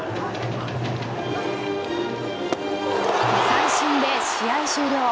三振で試合終了。